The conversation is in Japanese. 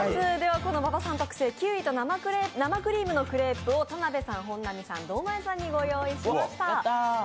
この馬場さん特製キウイと生クリームのクレープを田辺さん、本並さん、堂前さんにご用意しました。